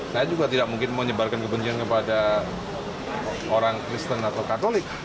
saya juga tidak mungkin menyebarkan kebencian kepada orang kristen atau katolik